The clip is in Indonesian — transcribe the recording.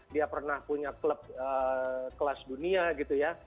dia pernah punya klub kelas dunia gitu ya